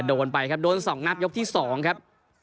โดนไปครับโดน๒นับยกที่๒ครับ